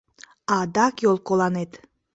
Адак йолколанет!..